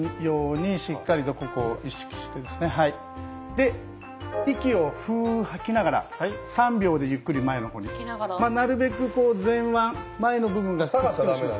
で息をふ吐きながら３秒でゆっくり前の方になるべくこう前腕前の部分がくっつくようにしますね。